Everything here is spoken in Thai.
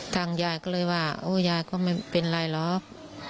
ทางยายก็เลยว่าโอ้ยายก็ไม่เป็นไรหรอก